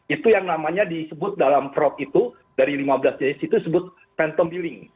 itu yang namanya disebut dalam fraud itu dari lima belas jenis itu disebut pentom billing